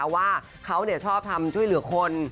ว่าเขาชอบทำช่วยเหลือคน